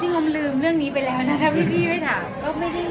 จริงอมลืมเรื่องนี้ไปแล้วนะครับพี่ไม่ถาม